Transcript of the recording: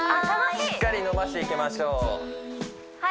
しっかり伸ばしていきましょうはい！